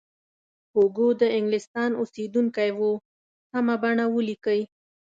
هوګو د انګلستان اوسیدونکی و سمه بڼه ولیکئ.